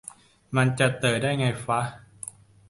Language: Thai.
มันจะ "เตอ" ได้ไงฟะ